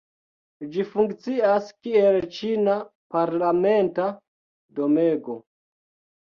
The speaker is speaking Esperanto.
Ĝi funkcias kiel ĉina parlamenta domego.